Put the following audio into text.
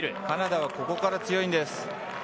カナダはここから強いです。